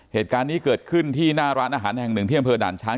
เหตุการณ์นี้เกิดขึ้นที่หน้าร้านอาหารแห่งหนึ่งที่อำเภอด่านช้าง